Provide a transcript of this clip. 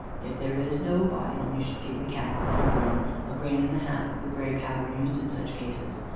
If there is no bile, you should give the Cat (full grown) a grain and a half of the grey powder used in such cases.